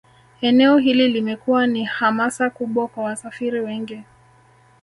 Eneo hili limekuwa ni hamasa kubwa kwa wasafiri wengi